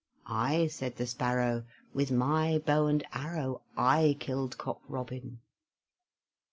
"I," said the Sparrow, "With my bow and arrow, I killed Cock Robin."